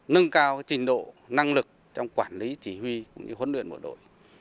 nâng cao trình độ năng lực trong quản lý chỉ huy huấn luyện bộ đội